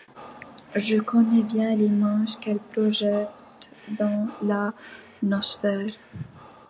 Je connais bien l’image qu’elle projette dans la noosphère.